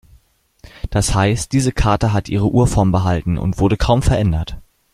Das heißt: diese Kata hat ihre Urform behalten und wurde kaum verändert.